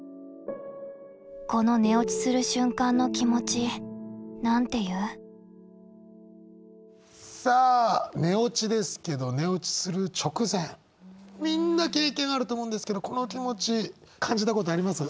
この寝落ちする瞬間のさあ寝落ちですけど寝落ちする直前みんな経験あると思うんですけどこの気持ち感じたことあります？